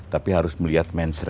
tapi harus melihat menserah